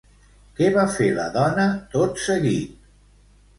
Què va fer la dona, tot seguit?